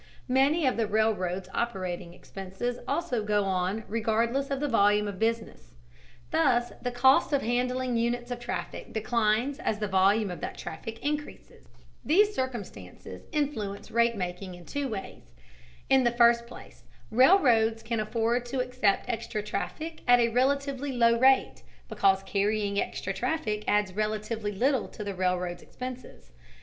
Many of the railroad's operating expenses also go on regardless of the volume of business. Thus the cost of handling units of traffic declines as the volume of that traffic increases. These circumstances influence rate making in two ways. In the first place, railroads can afford to accept extra traffic at a relatively low rate because carrying extra traffic adds relatively little to the railroad's expenses.